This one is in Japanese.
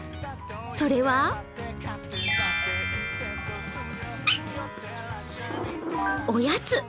それは、おやつ。